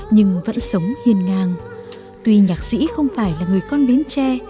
nhưng người ta nghe rõ ràng là người nói về người con gái bến tre